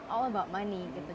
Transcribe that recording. karena ini bukan tentang uang